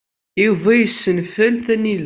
Yuba yessenfel tanila.